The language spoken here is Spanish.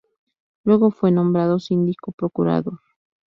Luego fue nombrado síndico procurador.